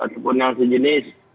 ataupun yang sejenis